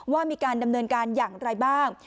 ว่ามีการดำเนินการอย่างไรบ้าง